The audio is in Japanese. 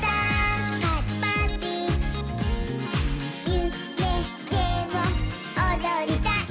「ゆめでもおどりたい」